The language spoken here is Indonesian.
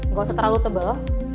gak usah terlalu tebal